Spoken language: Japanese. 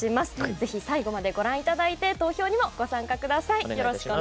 ぜひ最後までご覧いただいて投票にもご参加ください。